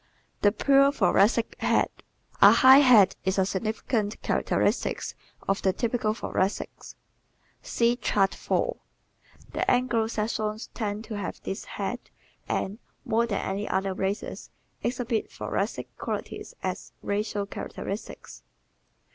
The Pure Thoracic Head ¶ A high head is a significant characteristic of the typical Thoracic. (See Chart 4) The Anglo Saxons tend to have this head and, more than any other races, exhibit thoracic qualities as racial characteristics.